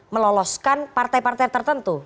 meloloskan partai partai tertentu